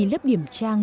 lớp điểm trang